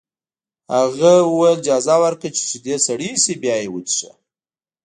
هغه وویل اجازه ورکړه چې شیدې سړې شي بیا یې وڅښه